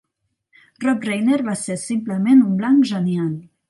Rob Reiner va ser simplement un blanc genial.